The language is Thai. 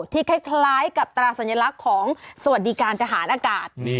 คล้ายกับตราสัญลักษณ์ของสวัสดิการทหารอากาศ